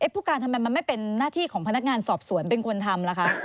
ผู้การทำไมมันไม่เป็นหน้าที่ของพนักงานสอบสวนเป็นคนทำล่ะคะ